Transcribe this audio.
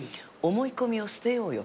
思い込みを捨てようよ。